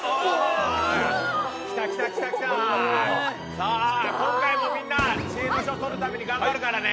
さあ今回もみんな知恵の書取るために頑張るからね。